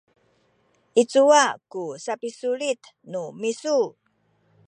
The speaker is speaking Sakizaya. i cuwa ku sapisulit nu misu?